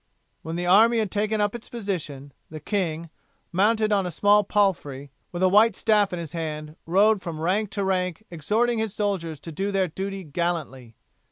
When the army had taken up its position, the king, mounted on a small palfrey, with a white staff in his hand, rode from rank to rank exhorting his soldiers to do their duty gallantly.